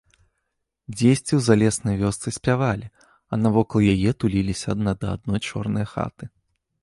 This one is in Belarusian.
Дзесьці ў залеснай вёсцы спявалі, а навокал яе туліліся адна да адной чорныя хаты.